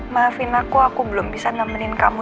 maafin aku aku belum bisa nemenin kamu